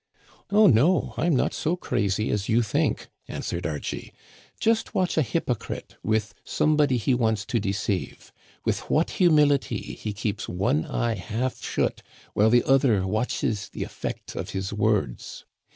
"Oh, no, I'm not so crazy as you think," answered Archie. "Just watch a hypocrite with somebody he wants to deceive. With what humility he keeps one eye half shut while the other watches the effect of his words.